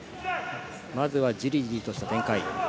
まずは、じりじりとした展開。